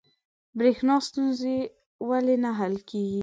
بریښنا ستونزه ولې نه حل کیږي؟